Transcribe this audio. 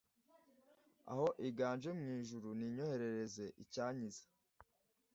aho iganje mu ijuru ninyoherereze icyankiza